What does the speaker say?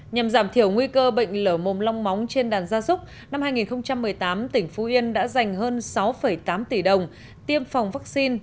nhằm giảm thiểu nguy cơ bệnh lở mồm long móng trên đàn gia súc năm hai nghìn một mươi tám tỉnh phú yên đã dành hơn sáu tám tỷ đồng tiêm phòng vaccine